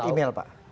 itu email pak